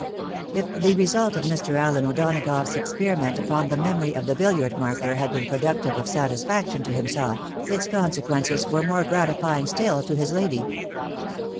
If the result of Mr. Allen O'Donagough's experiment upon the memory of the billiard marker had been productive of satis faction to himself, its consequences were more gratifying still to his lady.